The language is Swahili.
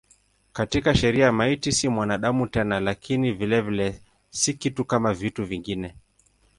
Katika sheria maiti si mwanadamu tena lakini vilevile si kitu kama vitu vingine.